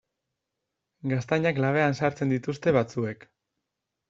Gaztainak labean sartzen dituzte batzuek.